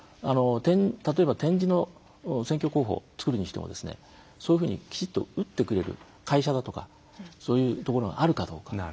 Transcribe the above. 例えば点字の選挙公報を作るにしてもそういうふうにきちんと打ってくれる会社だとかそういうところがあるかどうか。